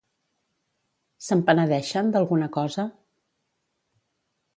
Se'n penedeixen d'alguna cosa?